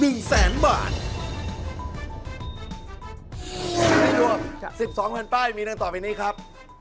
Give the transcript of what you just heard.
ไม่รู้ว่า๑๒แผ่นป้ายมีดังต่อไปนี้ครับ